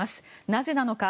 なぜなのか。